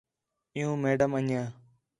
عِیّوں میڈم انڄیاں